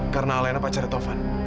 karena alena pacarnya taufan